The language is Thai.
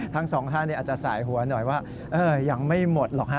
ทั้งสองท่านอาจจะสายหัวหน่อยว่ายังไม่หมดหรอกฮะ